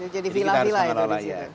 jadi kita harus mengelola ya